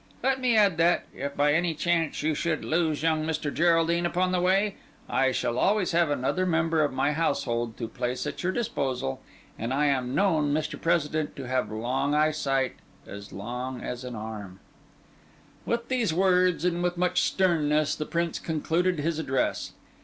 Let me add that, if by any chance you should lose young Mr. Geraldine upon the way, I shall always have another member of my household to place at your disposal; and I am known, Mr. President, to have long eyesight, and as long an arm." With these words, said with much sternness, the Prince concluded his address.